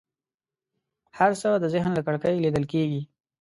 هر څه د ذهن له کړکۍ لیدل کېږي.